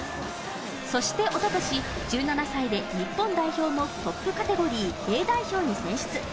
そして一昨年、１７歳で日本代表のトップカテゴリーＡ代表に選出。